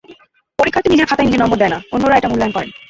পরীক্ষার্থী নিজের খাতায় নিজে নম্বর দেয় না, অন্যেরা এটা মূল্যায়ন করেন।